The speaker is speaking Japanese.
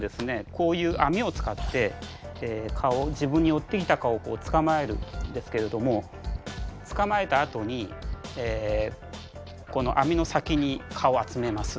こういう網を使って蚊を自分に寄ってきた蚊を捕まえるんですけれども捕まえたあとにこの網の先に蚊を集めます。